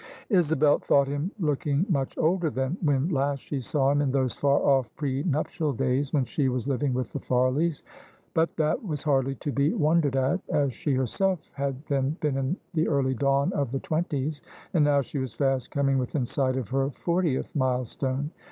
Isabel thought him looking much older than when last she saw him in those far off, pre nuptial days when she was living with the Farleys : but that was hardly to be wondered at: as she herself had then been in the early dawn of the twenties, and now she was fast coming within sight of her fortieth milestone.